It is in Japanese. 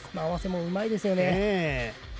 合わせもうまいですね。